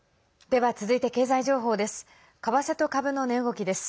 では、続いて経済情報です。